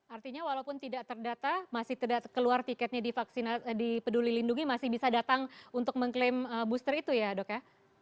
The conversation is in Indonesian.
artinya walaupun tidak terdata masih tidak keluar tiketnya di peduli lindungi masih bisa datang untuk mengklaim booster itu ya dok ya